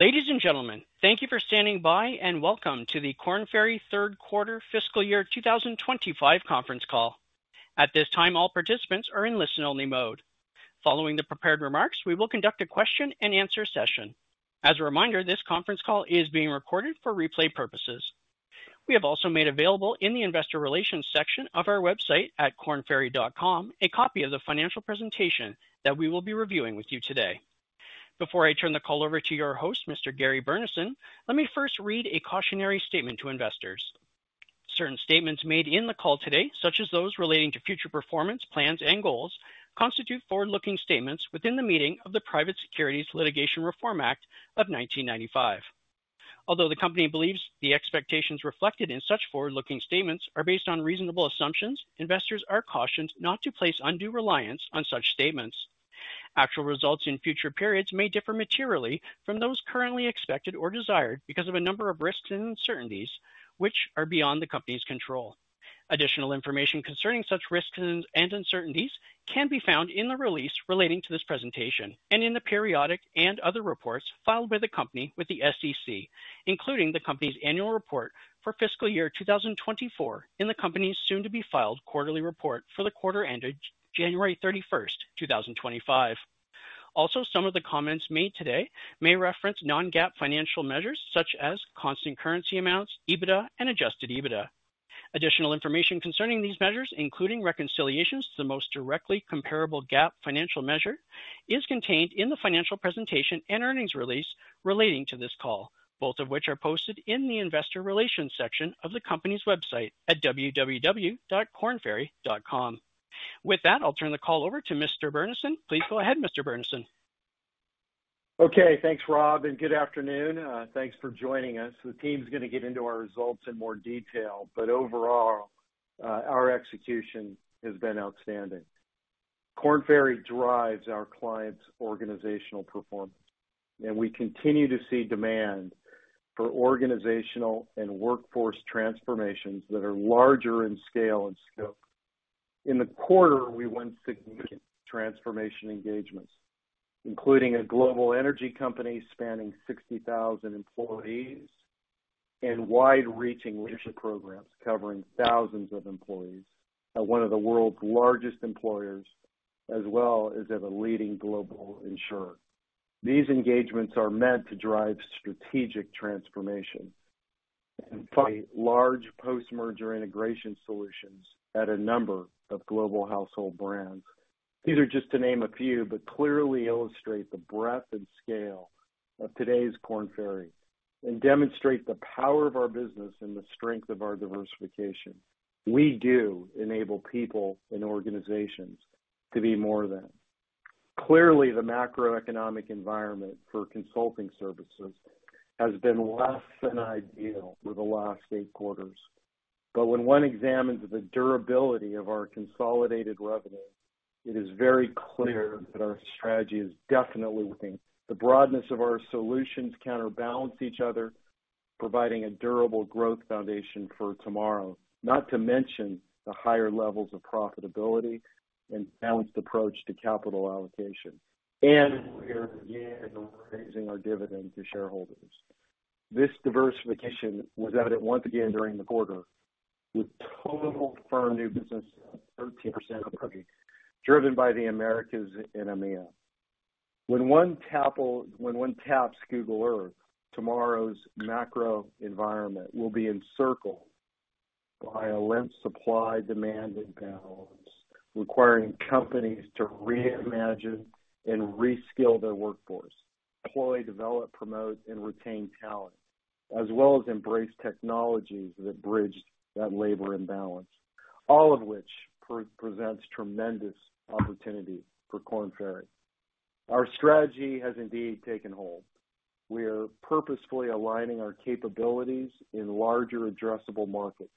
Ladies and gentlemen, thank you for standing by and welcome to the Korn Ferry Third Quarter Fiscal Year 2025 conference call. At this time, all participants are in listen-only mode. Following the prepared remarks, we will conduct a question-and-answer session. As a reminder, this conference call is being recorded for replay purposes. We have also made available in the Investor Relations section of our website at kornferry.com a copy of the financial presentation that we will be reviewing with you today. Before I turn the call over to your host, Mr. Gary Burnison, let me first read a cautionary statement to investors. Certain statements made in the call today, such as those relating to future performance plans and goals, constitute forward-looking statements within the meaning of the Private Securities Litigation Reform Act of 1995. Although the company believes the expectations reflected in such forward-looking statements are based on reasonable assumptions, investors are cautioned not to place undue reliance on such statements. Actual results in future periods may differ materially from those currently expected or desired because of a number of risks and uncertainties, which are beyond the company's control. Additional information concerning such risks and uncertainties can be found in the release relating to this presentation and in the periodic and other reports filed by the company with the SEC, including the company's annual report for Fiscal Year 2024 and the company's soon-to-be-filed quarterly report for the quarter ended January 31st, 2025. Also, some of the comments made today may reference non-GAAP financial measures such as constant currency amounts, EBITDA, and adjusted EBITDA. Additional information concerning these measures, including reconciliations to the most directly comparable GAAP financial measure, is contained in the financial presentation and earnings release relating to this call, both of which are posted in the Investor Relations section of the company's website at www.kornferry.com. With that, I'll turn the call over to Mr. Burnison. Please go ahead, Mr. Burnison. Okay. Thanks, Rob, and good afternoon. Thanks for joining us. The team's going to get into our results in more detail, but overall, our execution has been outstanding. Korn Ferry drives our clients' organizational performance, and we continue to see demand for organizational and workforce transformations that are larger in scale and scope. In the quarter, we won significant transformation engagements, including a global energy company spanning 60,000 employees and wide-reaching leadership programs covering thousands of employees at one of the world's largest employers, as well as at a leading global insurer. These engagements are meant to drive strategic transformation and find large post-merger integration solutions at a number of global household brands. These are just to name a few, but clearly illustrate the breadth and scale of today's Korn Ferry and demonstrate the power of our business and the strength of our diversification. We do enable people and organizations to be more than. Clearly, the macroeconomic environment for consulting services has been less than ideal for the last eight quarters. When one examines the durability of our consolidated revenue, it is very clear that our strategy is definitely working. The broadness of our solutions counterbalance each other, providing a durable growth foundation for tomorrow, not to mention the higher levels of profitability and balanced approach to capital allocation. We are again raising our dividend to shareholders. This diversification was evident once again during the quarter with total firm new business of 13% of revenue, driven by the Americas and EMEA. When one taps Google Earth, tomorrow's macro environment will be encircled by a lens of supply-demand imbalance, requiring companies to reimagine and reskill their workforce, deploy, develop, promote, and retain talent, as well as embrace technologies that bridge that labor imbalance, all of which presents tremendous opportunity for Korn Ferry. Our strategy has indeed taken hold. We are purposefully aligning our capabilities in larger, addressable markets.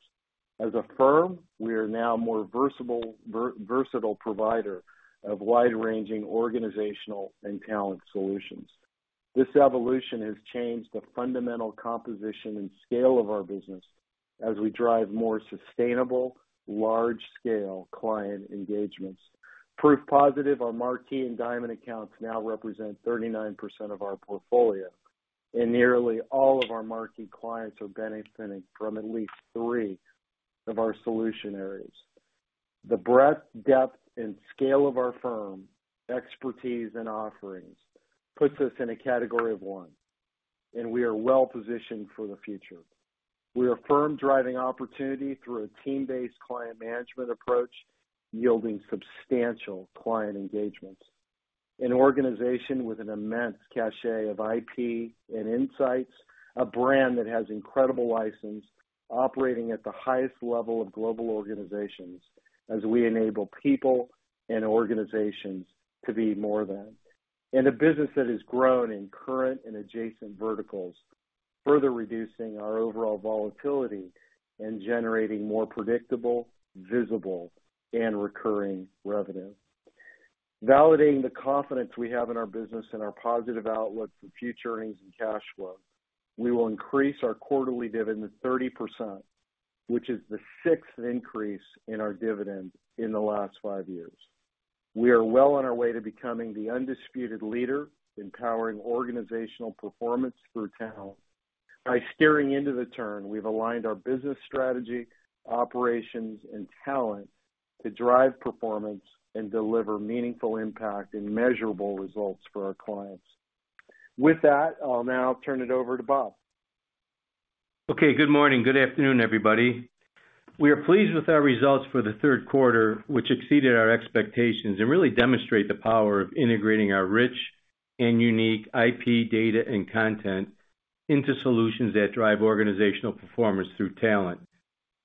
As a firm, we are now a more versatile provider of wide-ranging organizational and talent solutions. This evolution has changed the fundamental composition and scale of our business as we drive more sustainable, large-scale client engagements. Proof positive, our Marquee and Diamond accounts now represent 39% of our portfolio, and nearly all of our Marquee clients are benefiting from at least three of our solution areas. The breadth, depth, and scale of our firm, expertise, and offerings puts us in a category of one, and we are well-positioned for the future. We are firm-driving opportunity through a team-based client management approach, yielding substantial client engagements. An organization with an immense cachet of IP and insights, a brand that has incredible license, operating at the highest level of global organizations as we enable people and organizations to be more than. A business that has grown in current and adjacent verticals, further reducing our overall volatility and generating more predictable, visible, and recurring revenue. Validating the confidence we have in our business and our positive outlook for future earnings and cash flow, we will increase our quarterly dividend to 30%, which is the sixth increase in our dividend in the last five years. We are well on our way to becoming the undisputed leader in powering organizational performance through talent. By steering into the turn, we've aligned our business strategy, operations, and talent to drive performance and deliver meaningful impact and measurable results for our clients. With that, I'll now turn it over to Bob. Okay. Good morning. Good afternoon, everybody. We are pleased with our results for the third quarter, which exceeded our expectations and really demonstrate the power of integrating our rich and unique IP, data, and content into solutions that drive organizational performance through talent.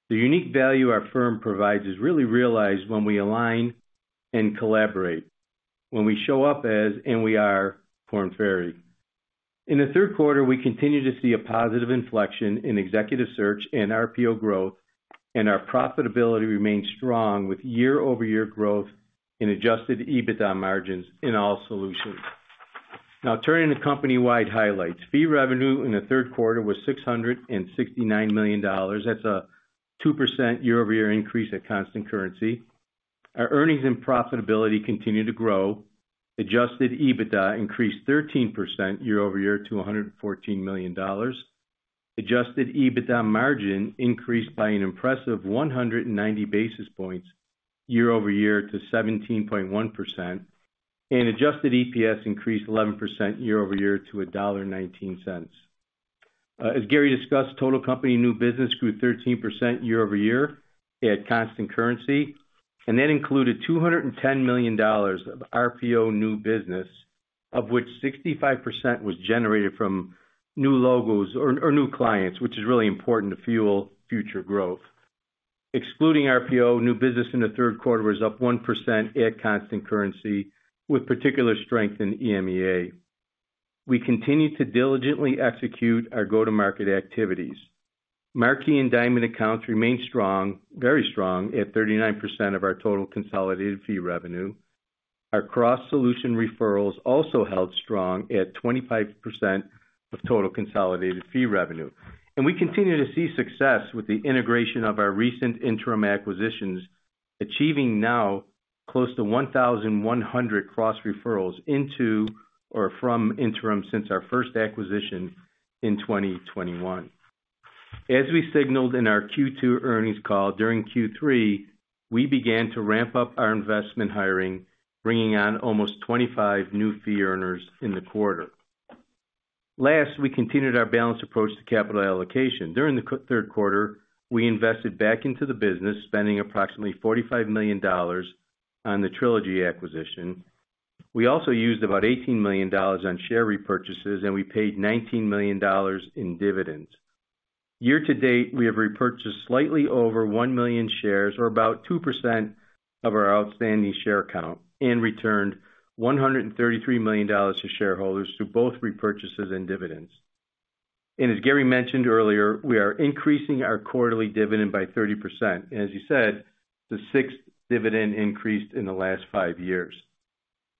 The unique value our firm provides is really realized when we align and collaborate, when we show up as, and we are, Korn Ferry. In the third quarter, we continue to see a positive inflection in executive search and RPO growth, and our profitability remains strong with year-over-year growth and adjusted EBITDA margins in all solutions. Now, turning to company-wide highlights, fee revenue in the third quarter was $669 million. That's a 2% year-over-year increase at constant currency. Our earnings and profitability continue to grow. Adjusted EBITDA increased 13% year-over-year to $114 million. Adjusted EBITDA margin increased by an impressive 190 basis points year-over-year to 17.1%. Adjusted EPS increased 11% year-over-year to $1.19. As Gary discussed, total company new business grew 13% year-over-year at constant currency. That included $210 million of RPO new business, of which 65% was generated from new logos or new clients, which is really important to fuel future growth. Excluding RPO, new business in the third quarter was up 1% at constant currency, with particular strength in EMEA. We continue to diligently execute our go-to-market activities. Marquee and Diamond accounts remain strong, very strong at 39% of our total consolidated fee revenue. Our cross-solution referrals also held strong at 25% of total consolidated fee revenue. We continue to see success with the integration of our recent interim acquisitions, achieving now close to 1,100 cross-referrals into or from interim since our first acquisition in 2021. As we signaled in our Q2 earnings call, during Q3, we began to ramp up our investment hiring, bringing on almost 25 new fee earners in the quarter. Last, we continued our balanced approach to capital allocation. During the third quarter, we invested back into the business, spending approximately $45 million on the Trilogy acquisition. We also used about $18 million on share repurchases, and we paid $19 million in dividends. Year to date, we have repurchased slightly over 1 million shares, or about 2% of our outstanding share count, and returned $133 million to shareholders through both repurchases and dividends. As Gary mentioned earlier, we are increasing our quarterly dividend by 30%. As you said, the sixth dividend increase in the last five years.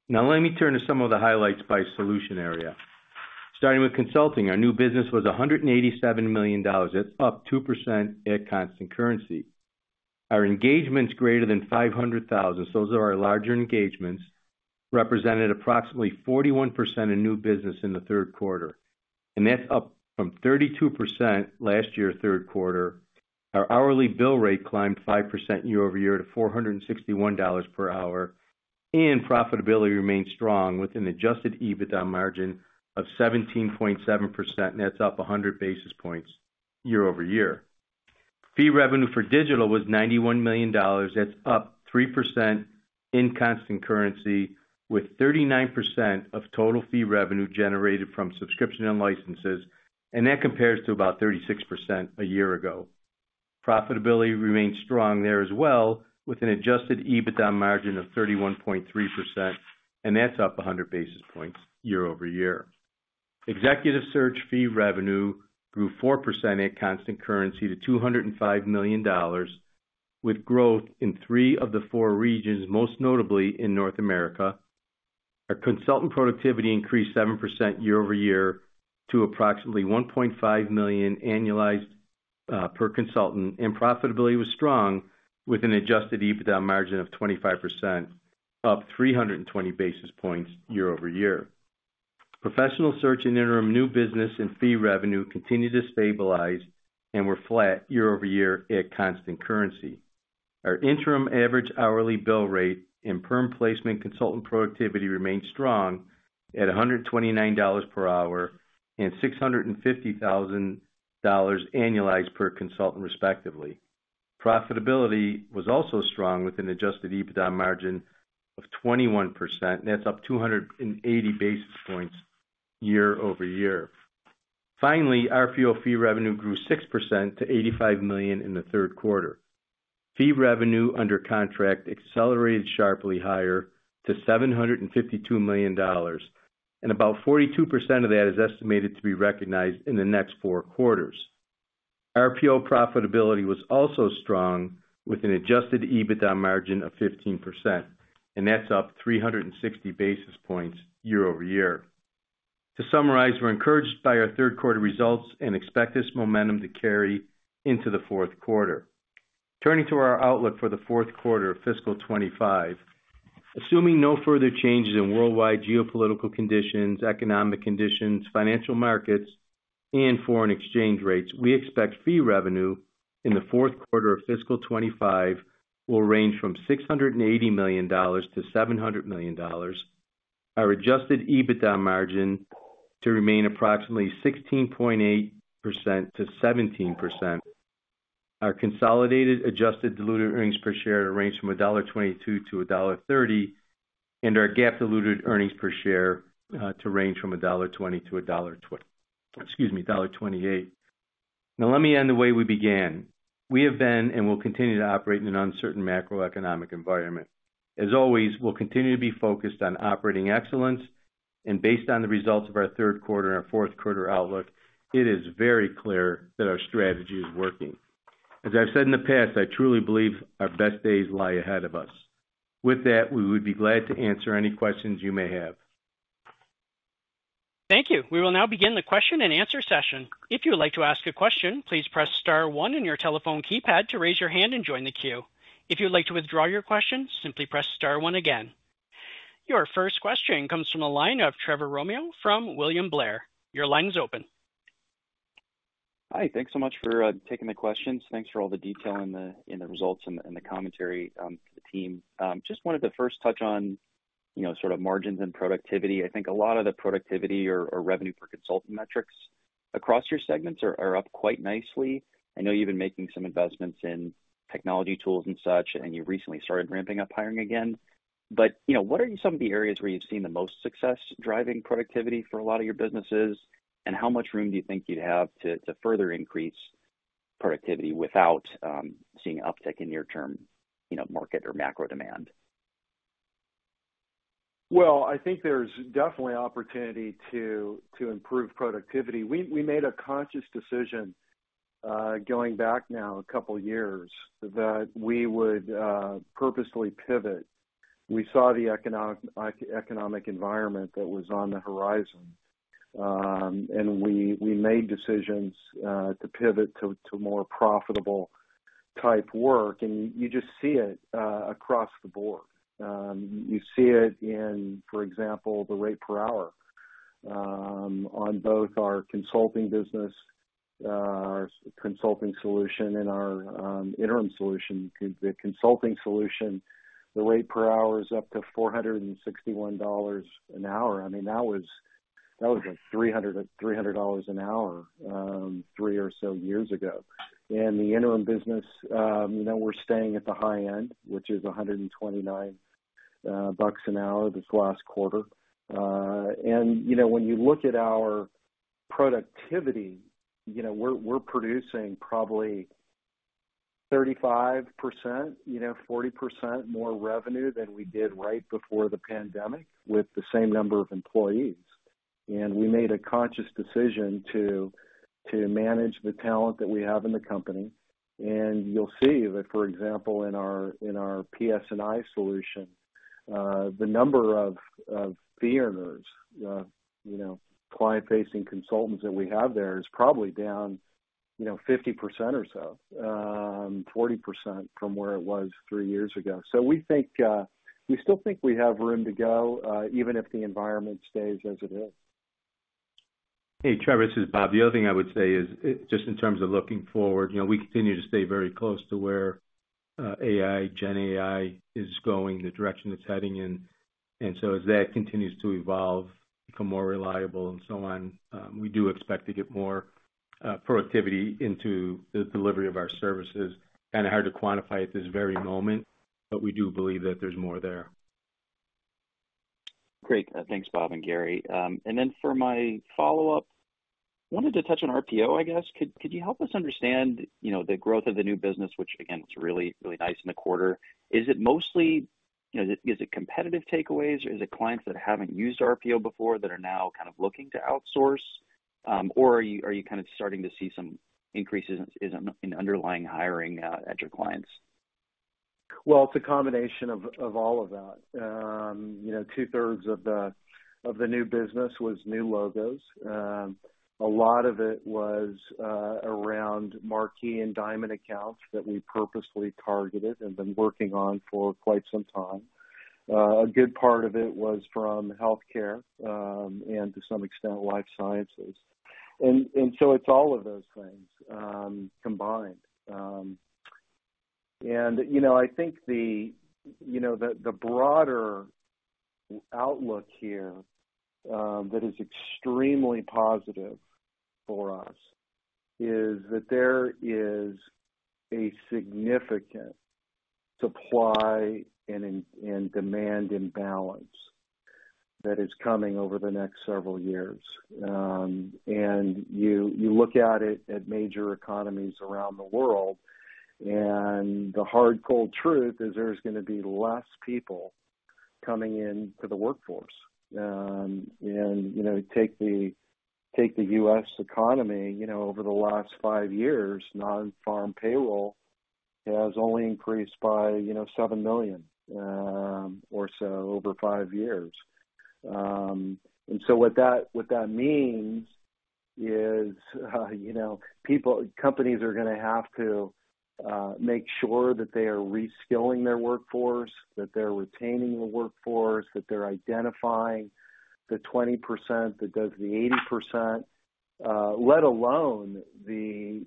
Now, let me turn to some of the highlights by solution area. Starting with consulting, our new business was $187 million. That's up 2% at constant currency. Our engagements greater than $500,000, so those are our larger engagements, represented approximately 41% of new business in the third quarter. That is up from 32% last year third quarter. Our hourly bill rate climbed 5% year-over-year to $461 per hour. Profitability remained strong with an adjusted EBITDA margin of 17.7%. That is up 100 basis points year-over-year. Fee revenue for digital was $91 million. That is up 3% in constant currency, with 39% of total fee revenue generated from subscription and licenses. That compares to about 36% a year ago. Profitability remained strong there as well, with an adjusted EBITDA margin of 31.3%. That is up 100 basis points year-over-year. Executive search fee revenue grew 4% at constant currency to $205 million, with growth in three of the four regions, most notably in North America. Our consultant productivity increased 7% year-over-year to approximately $1.5 million annualized per consultant. Profitability was strong with an adjusted EBITDA margin of 25%, up 320 basis points year-over-year. Professional search and interim new business and fee revenue continued to stabilize and were flat year-over-year at constant currency. Our interim average hourly bill rate and perm placement consultant productivity remained strong at $129 per hour and $650,000 annualized per consultant, respectively. Profitability was also strong with an adjusted EBITDA margin of 21%. That is up 280 basis points year-over-year. Finally, RPO fee revenue grew 6% to $85 million in the third quarter. Fee revenue under contract accelerated sharply higher to $752 million. About 42% of that is estimated to be recognized in the next four quarters. RPO profitability was also strong with an adjusted EBITDA margin of 15%. That is up 360 basis points year-over-year. To summarize, we're encouraged by our third quarter results and expect this momentum to carry into the fourth quarter. Turning to our outlook for the fourth quarter of fiscal 2025, assuming no further changes in worldwide geopolitical conditions, economic conditions, financial markets, and foreign exchange rates, we expect fee revenue in the fourth quarter of fiscal 2025 will range from $680 million-$700 million. Our adjusted EBITDA margin to remain approximately 16.8%-17%. Our consolidated adjusted diluted earnings per share to range from $1.22-$1.30. Our GAAP diluted earnings per share to range from $1.20-$1.28. Now, let me end the way we began. We have been and will continue to operate in an uncertain macroeconomic environment. As always, we'll continue to be focused on operating excellence. Based on the results of our third quarter and our fourth quarter outlook, it is very clear that our strategy is working. As I've said in the past, I truly believe our best days lie ahead of us. With that, we would be glad to answer any questions you may have. Thank you. We will now begin the question and answer session. If you would like to ask a question, please press star one on your telephone keypad to raise your hand and join the queue. If you'd like to withdraw your question, simply press star one again. Your first question comes from the line of Trevor Romeo from William Blair. Your line is open. Hi. Thanks so much for taking the questions. Thanks for all the detail in the results and the commentary for the team. Just wanted to first touch on sort of margins and productivity. I think a lot of the productivity or revenue for consultant metrics across your segments are up quite nicely. I know you've been making some investments in technology tools and such, and you recently started ramping up hiring again. What are some of the areas where you've seen the most success driving productivity for a lot of your businesses? How much room do you think you'd have to further increase productivity without seeing an uptick in near-term market or macro demand? I think there's definitely opportunity to improve productivity. We made a conscious decision going back now a couple of years that we would purposely pivot. We saw the economic environment that was on the horizon, and we made decisions to pivot to more profitable type work. You just see it across the board. You see it in, for example, the rate per hour on both our consulting business, our consulting solution, and our interim solution. The consulting solution, the rate per hour is up to $461 an hour. I mean, that was $300 an hour three or so years ago. The interim business, we're staying at the high end, which is $129 an hour this last quarter. When you look at our productivity, we're producing probably 35%-40% more revenue than we did right before the pandemic with the same number of employees. We made a conscious decision to manage the talent that we have in the company. You'll see that, for example, in our PS&I solution, the number of fee earners, client-facing consultants that we have there is probably down 50% or so, 40% from where it was three years ago. We still think we have room to go even if the environment stays as it is. Hey, Trevor, this is Bob. The other thing I would say is just in terms of looking forward, we continue to stay very close to where AI, GenAI, is going, the direction it's heading in. As that continues to evolve, become more reliable, and so on, we do expect to get more productivity into the delivery of our services. Kind of hard to quantify at this very moment, but we do believe that there's more there. Great. Thanks, Bob and Gary. For my follow-up, I wanted to touch on RPO, I guess. Could you help us understand the growth of the new business, which, again, was really, really nice in the quarter? Is it mostly, is it competitive takeaways? Is it clients that haven't used RPO before that are now kind of looking to outsource? Are you kind of starting to see some increases in underlying hiring at your clients? It is a combination of all of that. Two-thirds of the new business was new logos. A lot of it was around Marquee and Diamond accounts that we purposely targeted and have been working on for quite some time. A good part of it was from healthcare and to some extent life sciences. It is all of those things combined. I think the broader outlook here that is extremely positive for us is that there is a significant supply-demand imbalance that is coming over the next several years. You look at it at major economies around the world, and the hardcore truth is there are going to be fewer people coming into the workforce. Take the U.S. economy over the last five years, non-farm payroll has only increased by 7 million or so over five years. What that means is companies are going to have to make sure that they are reskilling their workforce, that they're retaining the workforce, that they're identifying the 20% that does the 80%, let alone the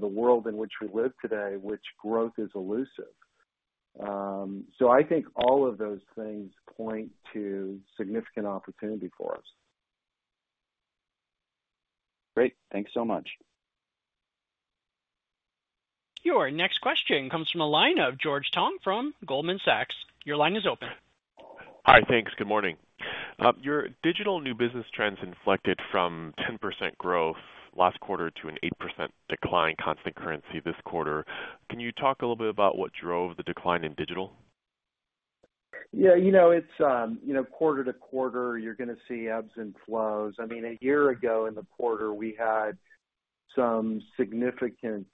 world in which we live today, which growth is elusive. I think all of those things point to significant opportunity for us. Great. Thanks so much. Your next question comes from the line of George Tong from Goldman Sachs. Your line is open. Hi, thanks. Good morning. Your digital new business trends inflected from 10% growth last quarter to an 8% decline constant currency this quarter. Can you talk a little bit about what drove the decline in digital? Yeah. It's quarter to quarter, you're going to see ebbs and flows. I mean, a year ago in the quarter, we had some significant—it's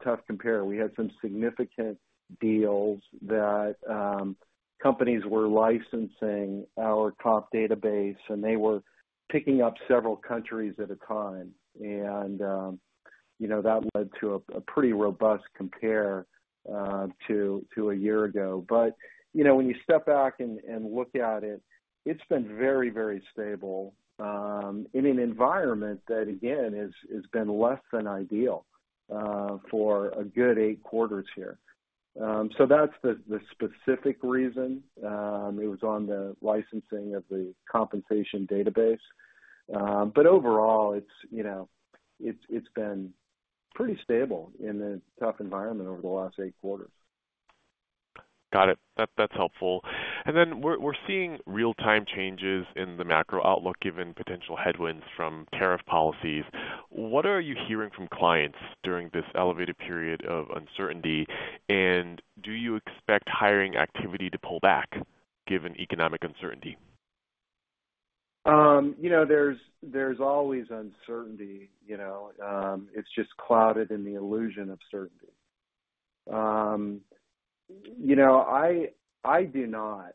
a tough compare—we had some significant deals that companies were licensing our comp database, and they were picking up several countries at a time. That led to a pretty robust compare to a year ago. When you step back and look at it, it's been very, very stable in an environment that, again, has been less than ideal for a good eight quarters here. That's the specific reason. It was on the licensing of the Compensation Database. Overall, it's been pretty stable in a tough environment over the last eight quarters. Got it. That's helpful. We are seeing real-time changes in the macro outlook given potential headwinds from tariff policies. What are you hearing from clients during this elevated period of uncertainty? Do you expect hiring activity to pull back given economic uncertainty? There's always uncertainty. It's just clouded in the illusion of certainty. I do not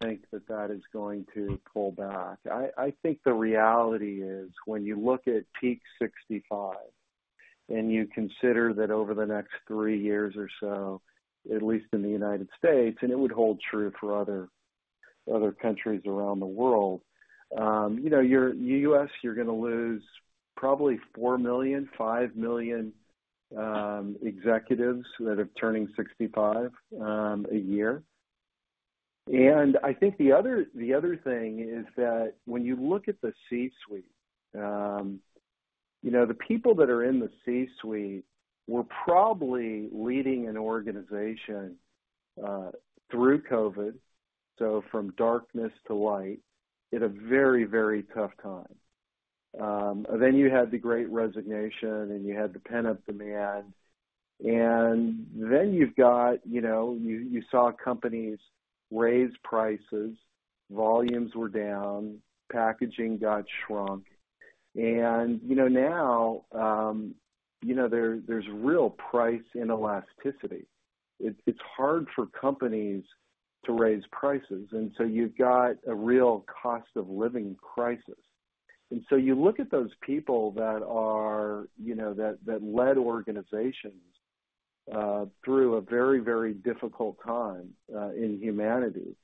think that that is going to pull back. I think the reality is when you look at Peak 65 and you consider that over the next three years or so, at least in the United States—and it would hold true for other countries around the world—you're going to lose probably 4 million-5 million executives that are turning 65 a year. I think the other thing is that when you look at the C-suite, the people that are in the C-suite were probably leading an organization through COVID, from darkness to light, in a very, very tough time. You had the Great Resignation, and you had the pent-up demand. You saw companies raise prices, volumes were down, packaging got shrunk. Now there's real price inelasticity. It's hard for companies to raise prices. You have a real cost of living crisis. You look at those people that led organizations through a very, very difficult time in humanity.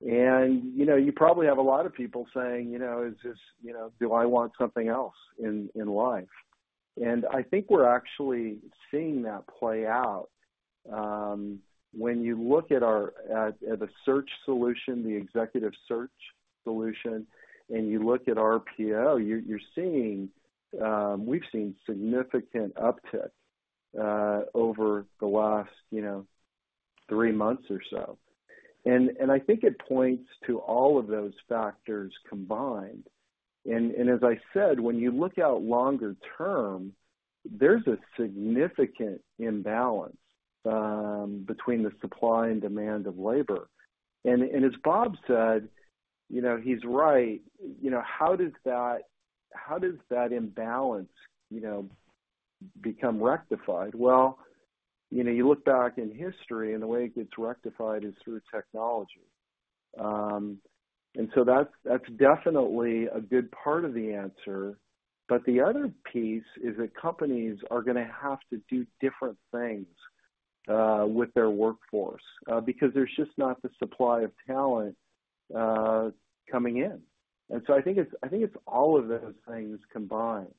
You probably have a lot of people saying, "Do I want something else in life?" I think we're actually seeing that play out. When you look at the search solution, the executive search solution, and you look at RPO, we've seen significant uptick over the last three months or so. I think it points to all of those factors combined. As I said, when you look out longer term, there's a significant imbalance between the supply and demand of labor. As Bob said, he's right. How does that imbalance become rectified? You look back in history, and the way it gets rectified is through technology. That's definitely a good part of the answer. The other piece is that companies are going to have to do different things with their workforce because there's just not the supply of talent coming in. I think it's all of those things combined.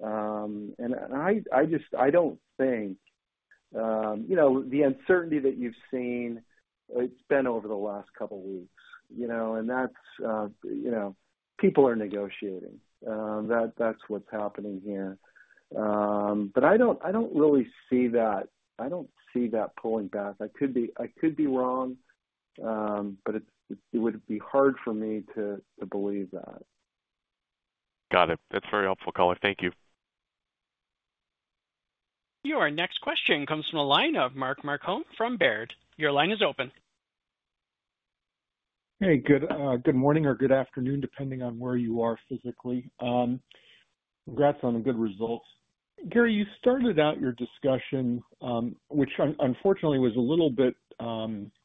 I don't think the uncertainty that you've seen, it's been over the last couple of weeks. People are negotiating. That's what's happening here. I don't really see that. I don't see that pulling back. I could be wrong, but it would be hard for me to believe that. Got it. That's very helpful, color. Thank you. Your next question comes from the line of Mark Marcon from Baird. Your line is open. Hey, good morning or good afternoon, depending on where you are physically. Congrats on the good results. Gary, you started out your discussion, which unfortunately was a little bit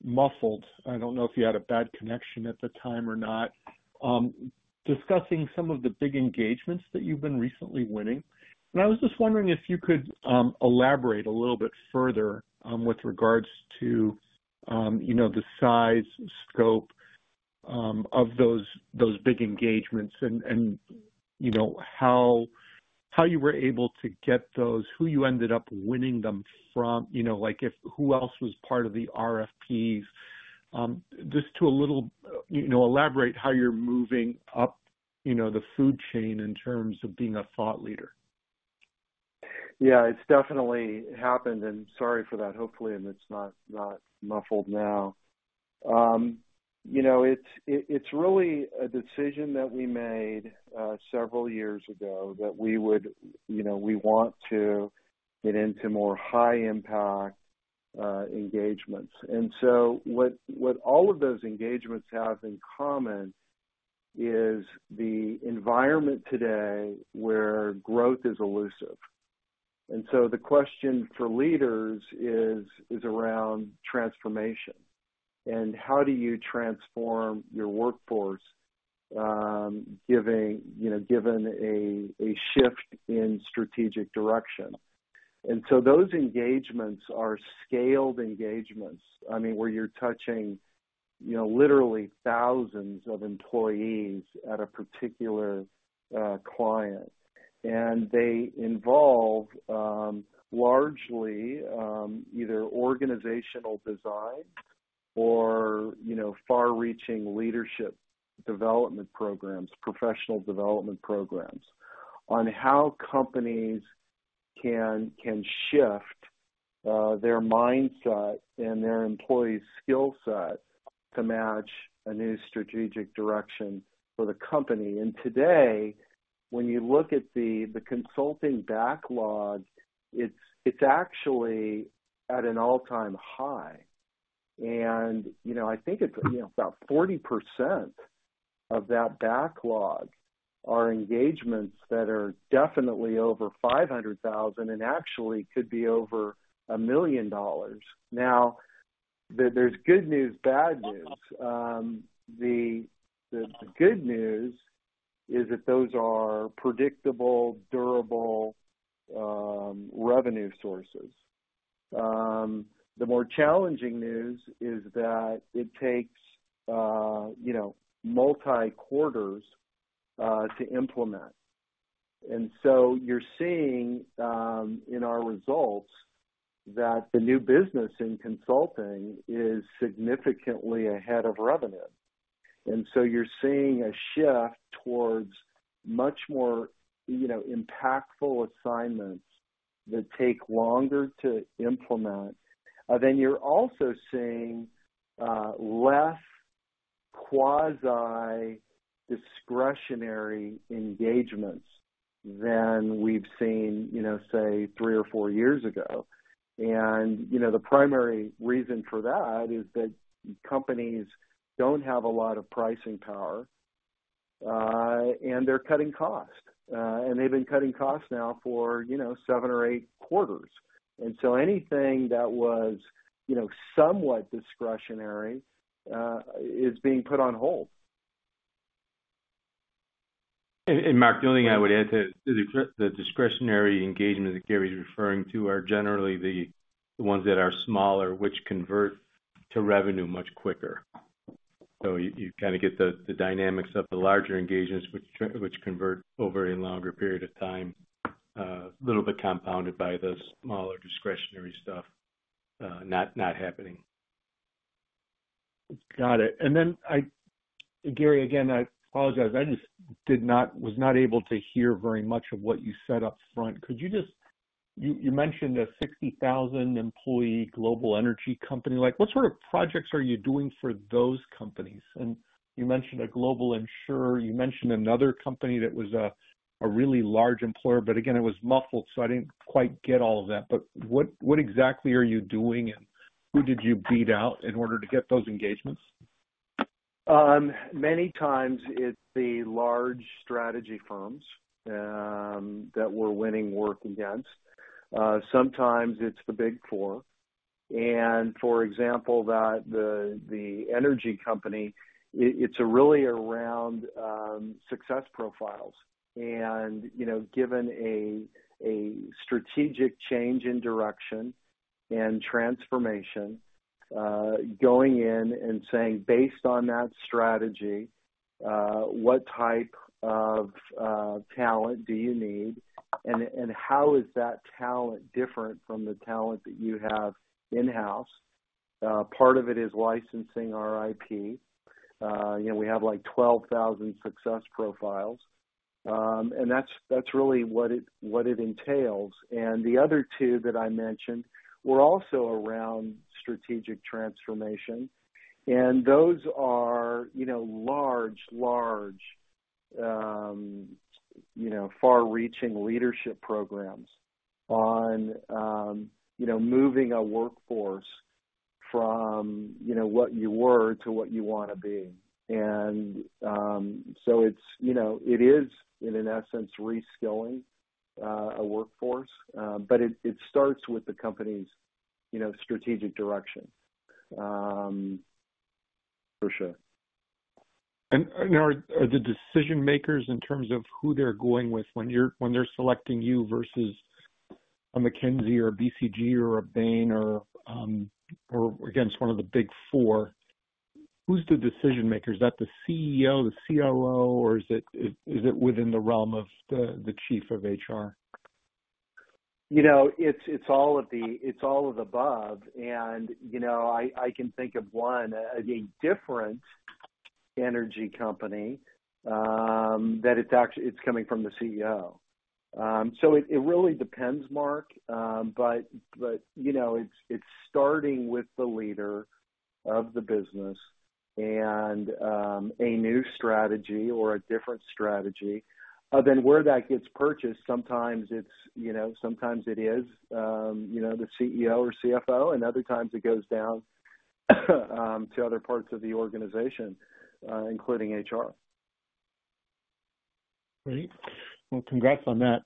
muffled. I don't know if you had a bad connection at the time or not, discussing some of the big engagements that you've been recently winning. I was just wondering if you could elaborate a little bit further with regards to the size, scope of those big engagements and how you were able to get those, who you ended up winning them from, who else was part of the RFPs. Just to a little elaborate how you're moving up the food chain in terms of being a thought leader. Yeah, it's definitely happened. Sorry for that. Hopefully, it's not muffled now. It's really a decision that we made several years ago that we want to get into more high-impact engagements. What all of those engagements have in common is the environment today where growth is elusive. The question for leaders is around transformation. How do you transform your workforce given a shift in strategic direction? Those engagements are scaled engagements, I mean, where you're touching literally thousands of employees at a particular client. They involve largely either organizational design or far-reaching leadership development programs, professional development programs on how companies can shift their mindset and their employee skill set to match a new strategic direction for the company. Today, when you look at the consulting backlog, it's actually at an all-time high. I think it's about 40% of that backlog are engagements that are definitely over $500,000 and actually could be over $1 million. There's good news, bad news. The good news is that those are predictable, durable revenue sources. The more challenging news is that it takes multi-quarters to implement. You're seeing in our results that the new business in consulting is significantly ahead of revenue. You're seeing a shift towards much more impactful assignments that take longer to implement. You're also seeing less quasi-discretionary engagements than we've seen, say, three or four years ago. The primary reason for that is that companies do not have a lot of pricing power, and they're cutting cost. They've been cutting cost now for seven or eight quarters. Anything that was somewhat discretionary is being put on hold. Mark, the only thing I would add to the discretionary engagement that Gary's referring to are generally the ones that are smaller, which convert to revenue much quicker. You kind of get the dynamics of the larger engagements, which convert over a longer period of time, a little bit compounded by the smaller discretionary stuff not happening. Got it. Gary, again, I apologize. I just was not able to hear very much of what you said upfront. You mentioned a 60,000-employee global energy company. What sort of projects are you doing for those companies? You mentioned a global insurer. You mentioned another company that was a really large employer. It was muffled, so I did not quite get all of that. What exactly are you doing, and who did you beat out in order to get those engagements? Many times, it's the large strategy firms that we're winning work against. Sometimes it's the Big 4. For example, the energy company, it's really around Success Profiles. Given a strategic change in direction and transformation, going in and saying, "Based on that strategy, what type of talent do you need? And how is that talent different from the talent that you have in-house?" Part of it is licensing our IP. We have like 12,000 Success Profiles. That's really what it entails. The other two that I mentioned were also around strategic transformation. Those are large, large, far-reaching leadership programs on moving a workforce from what you were to what you want to be. It is, in essence, reskilling a workforce. It starts with the company's strategic direction, for sure. Are the decision-makers in terms of who they're going with when they're selecting you versus a McKinsey or a BCG or a Bain or against one of the Big 4, who's the decision-maker? Is that the CEO, the COO, or is it within the realm of the chief of HR? It's all of the above. I can think of one, a different energy company, that it's coming from the CEO. It really depends, Mark. It's starting with the leader of the business and a new strategy or a different strategy. Where that gets purchased, sometimes it is the CEO or CFO, and other times it goes down to other parts of the organization, including HR. Great. Congrats on that.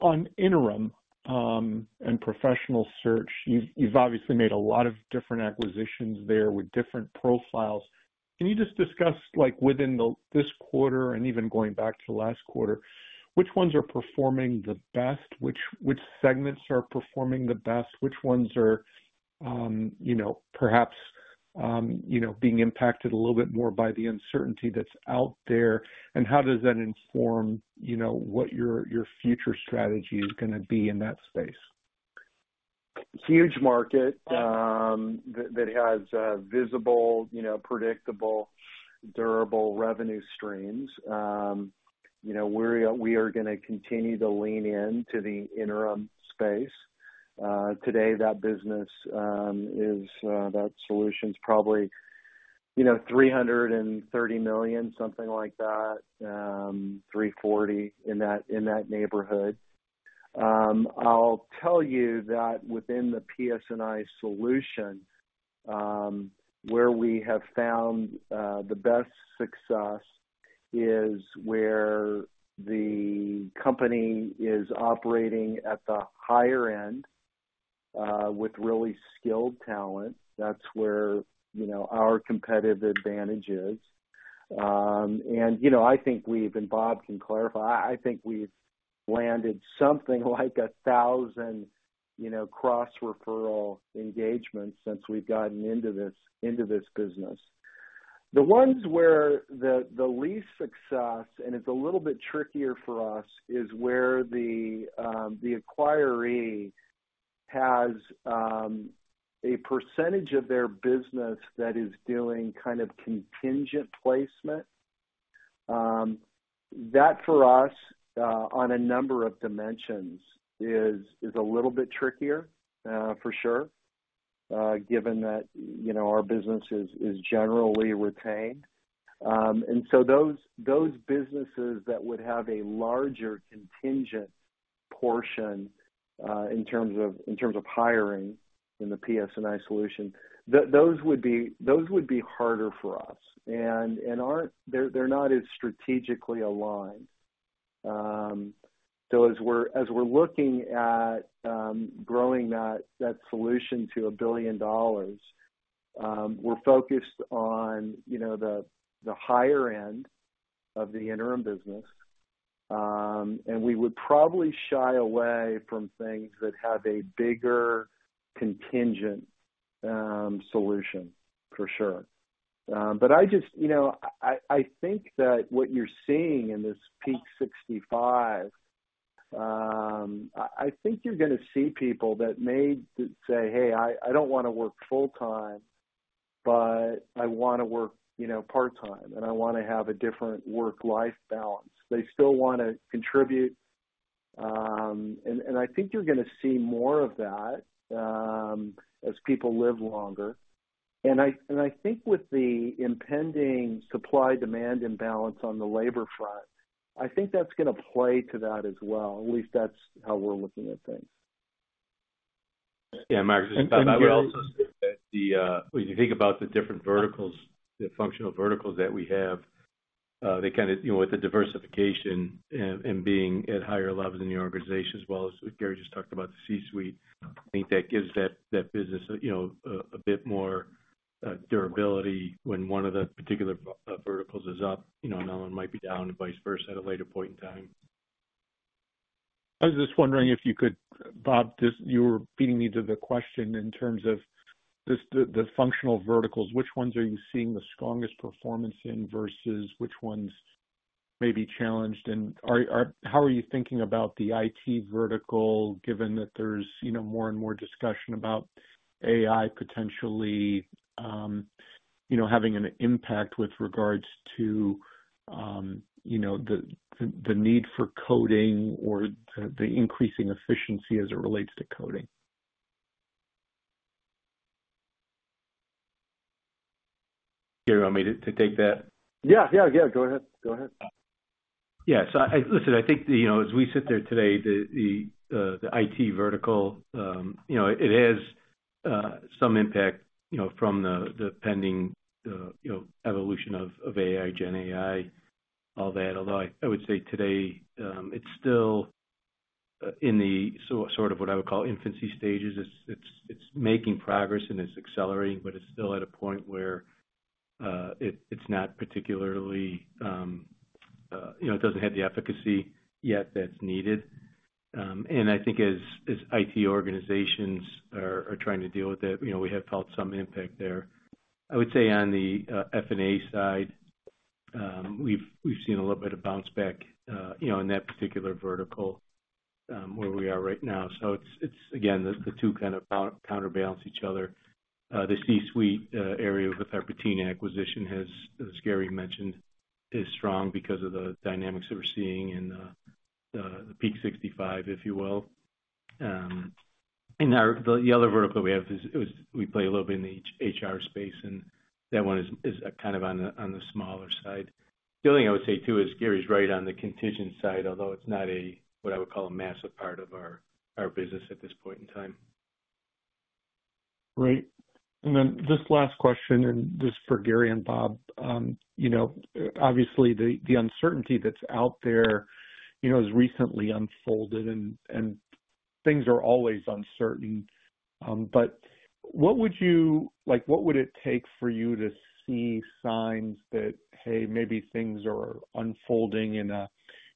On interim and professional search, you've obviously made a lot of different acquisitions there with different profiles. Can you just discuss within this quarter and even going back to last quarter, which ones are performing the best? Which segments are performing the best? Which ones are perhaps being impacted a little bit more by the uncertainty that's out there? How does that inform what your future strategy is going to be in that space? Huge market that has visible, predictable, durable revenue streams. We are going to continue to lean into the interim space. Today, that business, that solution's probably $330 million, something like that, $340 million in that neighborhood. I'll tell you that within the PS&I solution, where we have found the best success is where the company is operating at the higher end with really skilled talent. That's where our competitive advantage is. I think we've—and Bob can clarify—I think we've landed something like 1,000 cross-referral engagements since we've gotten into this business. The ones where the least success—and it's a little bit trickier for us—is where the acquirer has a percentage of their business that is doing kind of contingent placement. That, for us, on a number of dimensions, is a little bit trickier, for sure, given that our business is generally retained. Those businesses that would have a larger contingent portion in terms of hiring in the PS&I solution, those would be harder for us. They are not as strategically aligned. As we are looking at growing that solution to a billion dollars, we are focused on the higher end of the interim business. We would probably shy away from things that have a bigger contingent solution, for sure. I think that what you are seeing in this Peak 65, you are going to see people that say, "Hey, I do not want to work full-time, but I want to work part-time, and I want to have a different work-life balance." They still want to contribute. I think you are going to see more of that as people live longer. I think with the impending supply-demand imbalance on the labor front, I think that's going to play to that as well. At least that's how we're looking at things. Yeah, Mark, I would also say that when you think about the different verticals, the functional verticals that we have, they kind of, with the diversification and being at higher levels in the organization, as well as what Gary just talked about, the C-suite, I think that gives that business a bit more durability when one of the particular verticals is up. Another one might be down and vice versa at a later point in time. I was just wondering if you could—Bob, you were feeding me to the question in terms of the functional verticals. Which ones are you seeing the strongest performance in versus which ones may be challenged? How are you thinking about the IT vertical, given that there's more and more discussion about AI potentially having an impact with regards to the need for coding or the increasing efficiency as it relates to coding? Gary, want me to take that? Yeah, go ahead. Yeah. Listen, I think as we sit there today, the IT vertical, it has some impact from the pending evolution of AI, GenAI, all that. Although I would say today, it's still in the sort of what I would call infancy stages. It's making progress, and it's accelerating, but it's still at a point where it's not particularly—it doesn't have the efficacy yet that's needed. I think as IT organizations are trying to deal with it, we have felt some impact there. I would say on the F&A side, we've seen a little bit of bounce back in that particular vertical where we are right now. It's, again, the two kind of counterbalance each other. The C-suite area with our Patina acquisition, as Gary mentioned, is strong because of the dynamics that we're seeing in the Peak 65, if you will. The other vertical we have is we play a little bit in the HR space, and that one is kind of on the smaller side. The only thing I would say too is Gary's right on the contingent side, although it's not what I would call a massive part of our business at this point in time. Great. This last question is for Gary and Bob. Obviously, the uncertainty that's out there has recently unfolded, and things are always uncertain. What would it take for you to see signs that, "Hey, maybe things are unfolding in a—"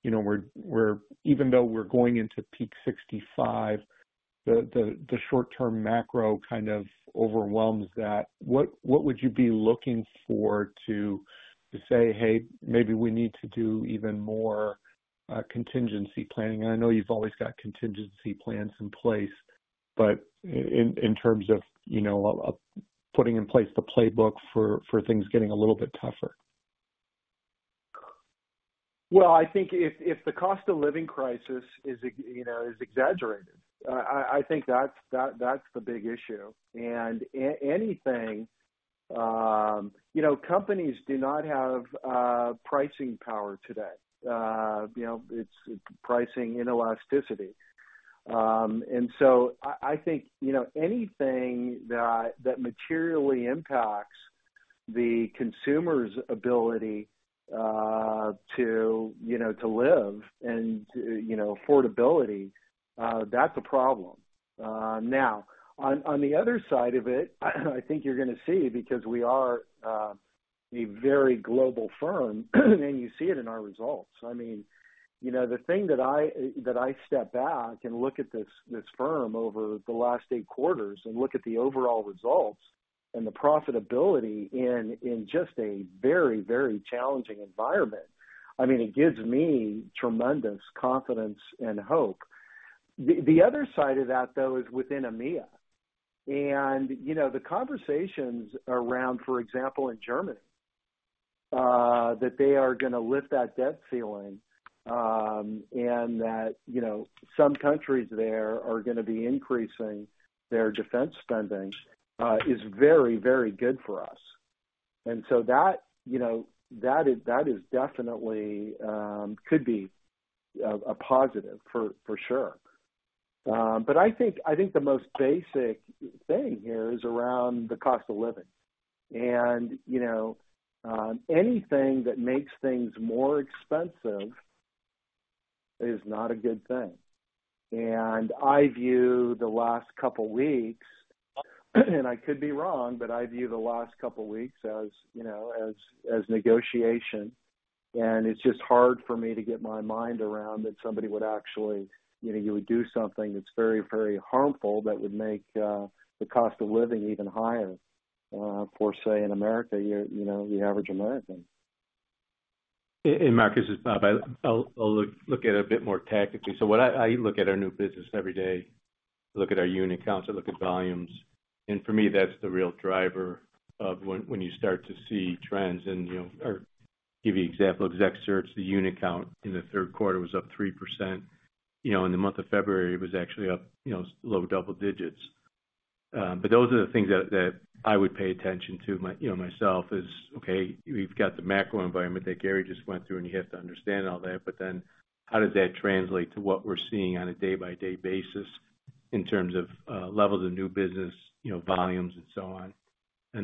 even though we're going into Peak 65, the short-term macro kind of overwhelms that, what would you be looking for to say, "Hey, maybe we need to do even more contingency planning"? I know you've always got contingency plans in place, but in terms of putting in place the playbook for things getting a little bit tougher? I think if the cost of living crisis is exaggerated, I think that's the big issue. Anything—companies do not have pricing power today. It's pricing inelasticity. I think anything that materially impacts the consumer's ability to live and affordability, that's a problem. Now, on the other side of it, I think you're going to see because we are a very global firm, and you see it in our results. I mean, the thing that I step back and look at this firm over the last eight quarters and look at the overall results and the profitability in just a very, very challenging environment, I mean, it gives me tremendous confidence and hope. The other side of that, though, is within EMEA. The conversations around, for example, in Germany, that they are going to lift that debt ceiling and that some countries there are going to be increasing their defense spending is very, very good for us. That definitely could be a positive, for sure. I think the most basic thing here is around the cost of living. Anything that makes things more expensive is not a good thing. I view the last couple of weeks—and I could be wrong—I view the last couple of weeks as negotiation. It's just hard for me to get my mind around that somebody would actually—you would do something that's very, very harmful that would make the cost of living even higher for, say, in America, the average American. Mark, this is Bob. I'll look at it a bit more tactically. I look at our new business every day. I look at our unit counts. I look at volumes. For me, that's the real driver of when you start to see trends. I'll give you an example. The unit count in the third quarter was up 3%. In the month of February, it was actually up low double digits. Those are the things that I would pay attention to myself: okay, we've got the macro environment that Gary just went through, and you have to understand all that. Then how does that translate to what we're seeing on a day-by-day basis in terms of levels of new business, volumes, and so on?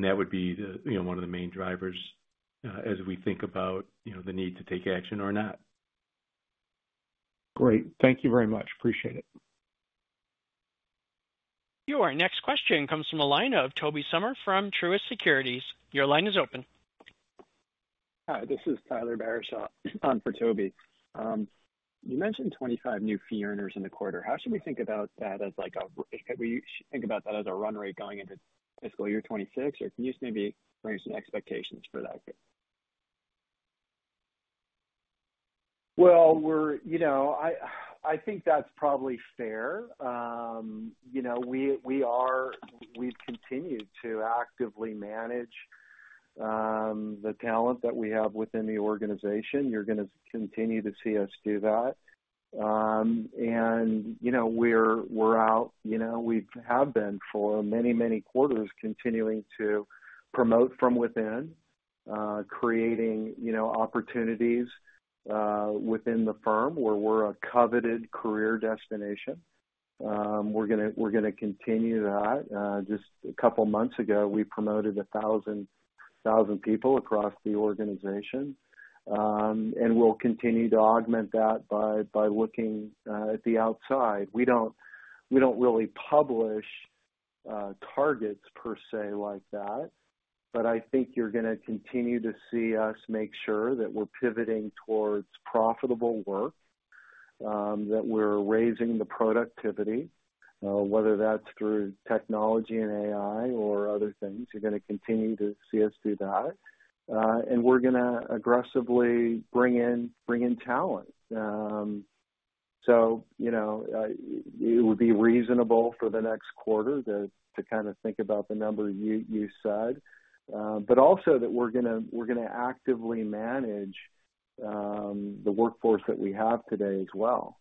That would be one of the main drivers as we think about the need to take action or not. Great. Thank you very much. Appreciate it. Your next question comes from the line of Tobey Sommer from Truist Securities. Your line is open. Hi. This is Tyler Barishaw on for Tobey. You mentioned 25 new fee earners in the quarter. How should we think about that as a—should we think about that as a run rate going into fiscal year 2026? Or can you just maybe bring us some expectations for that? I think that's probably fair. We've continued to actively manage the talent that we have within the organization. You're going to continue to see us do that. We have been for many, many quarters continuing to promote from within, creating opportunities within the firm where we're a coveted career destination. We're going to continue that. Just a couple of months ago, we promoted 1,000 people across the organization. We'll continue to augment that by looking at the outside. We don't really publish targets per se like that. I think you're going to continue to see us make sure that we're pivoting towards profitable work, that we're raising the productivity, whether that's through technology and AI or other things. You're going to continue to see us do that. We're going to aggressively bring in talent. It would be reasonable for the next quarter to kind of think about the number you said, but also that we're going to actively manage the workforce that we have today as well.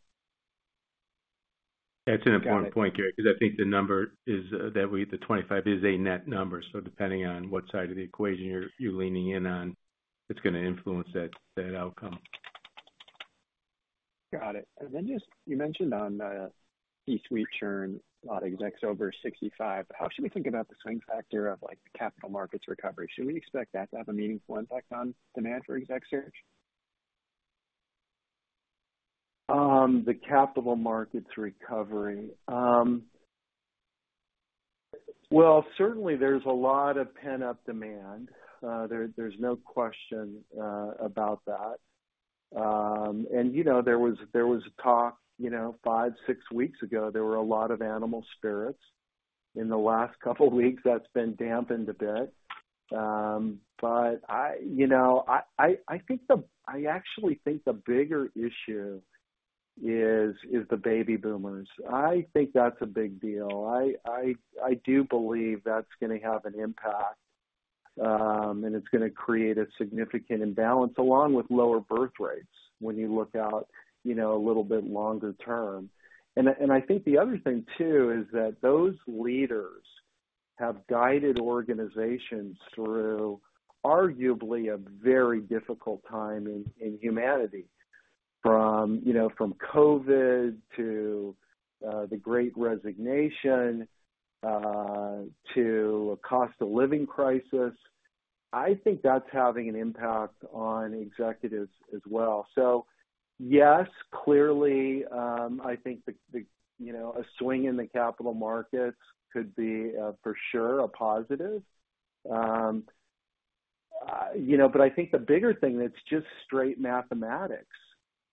That's an important point, Gary, because I think the number is that the 25 is a net number. Depending on what side of the equation you're leaning in on, it's going to influence that outcome. Got it. You mentioned on the C-suite churn, a lot of execs over 65. How should we think about the swing factor of capital markets recovery? Should we expect that to have a meaningful impact on demand for exec search? The capital markets recovery? Certainly, there's a lot of pent-up demand. There's no question about that. There was talk five, six weeks ago. There were a lot of animal spirits in the last couple of weeks. That has been dampened a bit. I think the—I actually think the bigger issue is the baby boomers. I think that's a big deal. I do believe that's going to have an impact, and it's going to create a significant imbalance along with lower birth rates when you look out a little bit longer term. I think the other thing too is that those leaders have guided organizations through arguably a very difficult time in humanity, from COVID to the Great Resignation to a cost of living crisis. I think that's having an impact on executives as well. Yes, clearly, I think a swing in the capital markets could be for sure a positive. I think the bigger thing that's just straight mathematics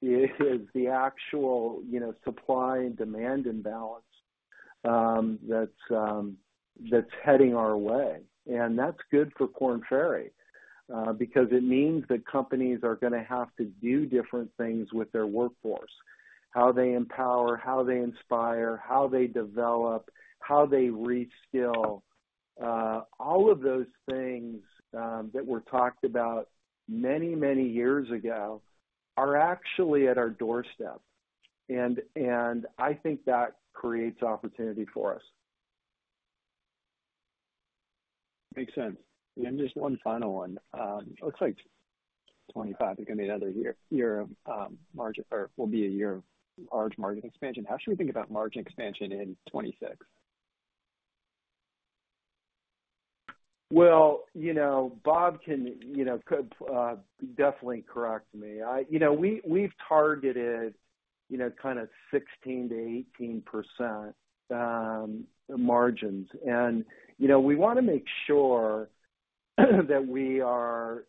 is the actual supply and demand imbalance that's heading our way. That's good for Korn Ferry because it means that companies are going to have to do different things with their workforce: how they empower, how they inspire, how they develop, how they reskill. All of those things that were talked about many, many years ago are actually at our doorstep. I think that creates opportunity for us. Makes sense. Just one final one. It looks like 2025 is going to be another year of—or will be a year of large market expansion. How should we think about margin expansion in 2026? Bob can definitely correct me. We've targeted kind of 16%-18% margins. We want to make sure that we are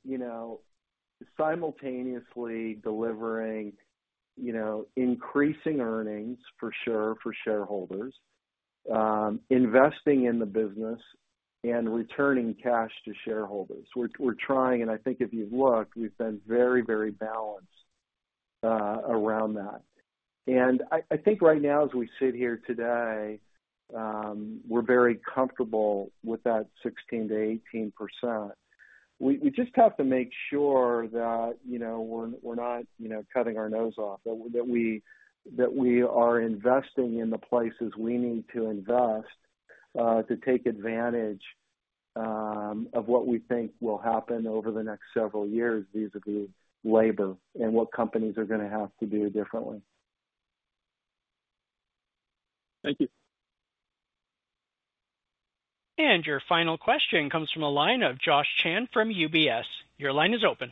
simultaneously delivering increasing earnings for sure for shareholders, investing in the business, and returning cash to shareholders. We're trying, and I think if you've looked, we've been very, very balanced around that. I think right now, as we sit here today, we're very comfortable with that 16%-18%. We just have to make sure that we're not cutting our nose off, that we are investing in the places we need to invest to take advantage of what we think will happen over the next several years vis-à-vis labor and what companies are going to have to do differently. Thank you. Your final question comes from the line of Josh Chan from UBS. Your line is open.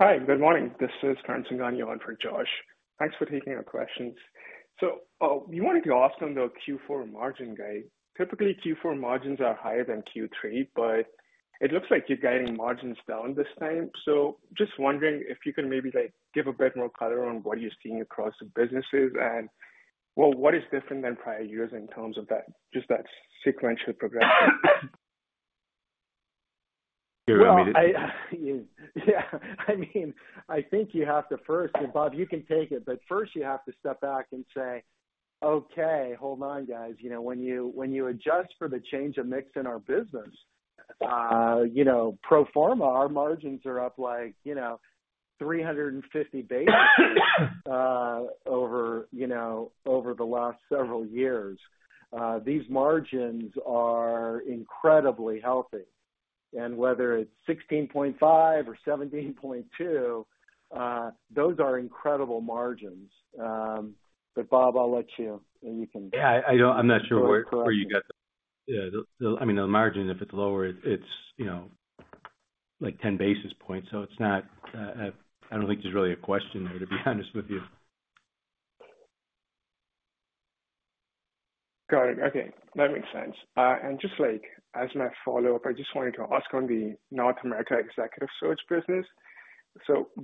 Hi. Good morning. This is Karen Sanghani on for Josh. Thanks for taking our questions. We wanted to ask on the Q4 margin guide. Typically, Q4 margins are higher than Q3, but it looks like you're guiding margins down this time. Just wondering if you can maybe give a bit more color on what you're seeing across the businesses and, well, what is different than prior years in terms of just that sequential progression. You're going to be doing that. I mean, I think you have to first—and Bob, you can take it—but first, you have to step back and say, "Okay, hold on, guys. When you adjust for the change of mix in our business, pro forma, our margins are up like 350 basis points over the last several years. These margins are incredibly healthy." Whether it's 16.5 or 17.2, those are incredible margins. Bob, I'll let you, and you can— Yeah. I'm not sure where you got the—yeah. I mean, the margin, if it's lower, it's like 10 basis points. So it's not—I don't think there's really a question there, to be honest with you. Got it. Okay. That makes sense. Just as my follow-up, I just wanted to ask on the North America executive search business.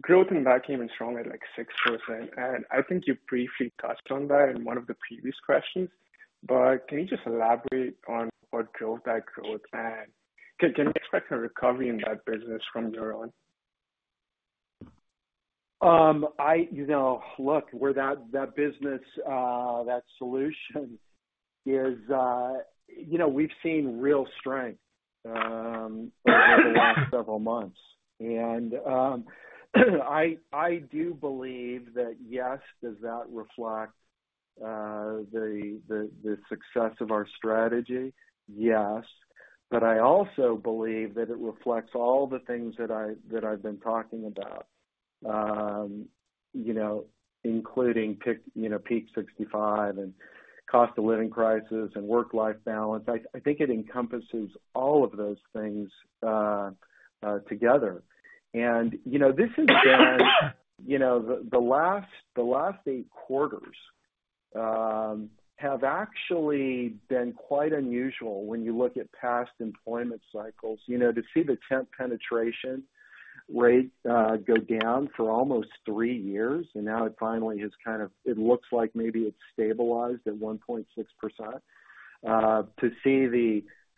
Growth in that came in strongly at like 6%. I think you briefly touched on that in one of the previous questions. Can you just elaborate on what drove that growth? Can we expect a recovery in that business from year on? Look, that business, that solution, we've seen real strength over the last several months. I do believe that, yes, does that reflect the success of our strategy? Yes. I also believe that it reflects all the things that I've been talking about, including Peak 65 and cost of living crisis and work-life balance. I think it encompasses all of those things together. This has been—the last eight quarters have actually been quite unusual when you look at past employment cycles to see the temp penetration rate go down for almost three years. Now it finally has kind of—it looks like maybe it's stabilized at 1.6%. To see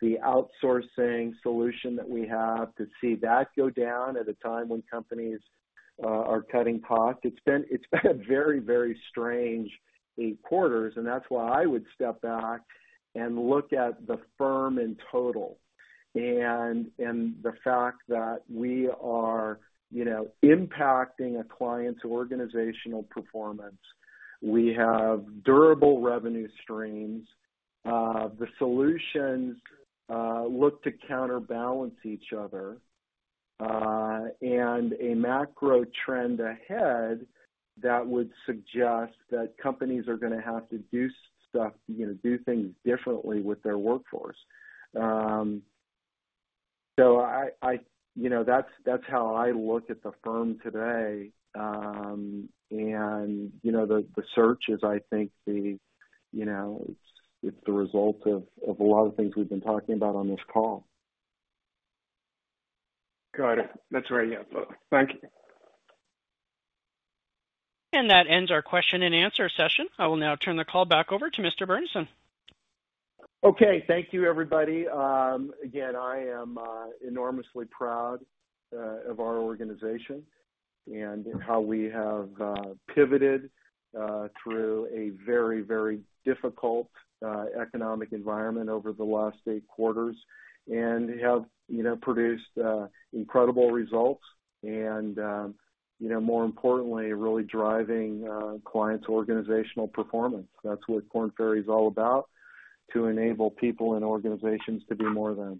the outsourcing solution that we have, to see that go down at a time when companies are cutting costs, it's been a very, very strange eight quarters. I would step back and look at the firm in total and the fact that we are impacting a client's organizational performance. We have durable revenue streams. The solutions look to counterbalance each other and a macro trend ahead that would suggest that companies are going to have to do things differently with their workforce. That is how I look at the firm today. The search is, I think, the result of a lot of things we have been talking about on this call. Got it. That's where I am. Thank you. That ends our question and answer session. I will now turn the call back over to Mr. Burnison. Okay. Thank you, everybody. Again, I am enormously proud of our organization and how we have pivoted through a very, very difficult economic environment over the last eight quarters and have produced incredible results and, more importantly, really driving clients' organizational performance. That is what Korn Ferry is all about: to enable people and organizations to be more than.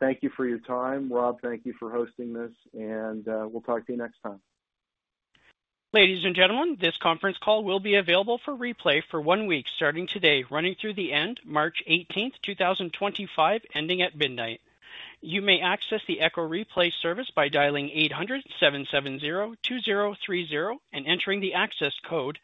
Thank you for your time. Rob, thank you for hosting this. We will talk to you next time. Ladies and gentlemen, this conference call will be available for replay for one week starting today, running through the end, March 18th, 2025, ending at midnight. You may access the Encore Replay service by dialing 800-770-2030 and entering the access code.